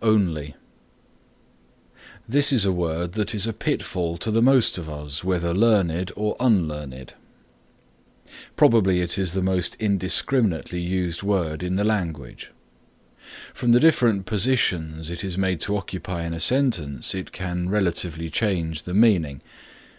ONLY This is a word that is a pitfall to the most of us whether learned or unlearned. Probably it is the most indiscriminately used word in the language. From the different positions it is made to occupy in a sentence it can relatively change the meaning.